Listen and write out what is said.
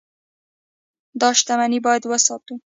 دا شتمني باید وساتو.